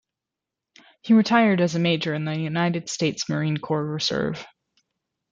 He retired as a major in the United States Marine Corps Reserve.